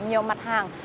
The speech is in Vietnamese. nhiều mặt hàng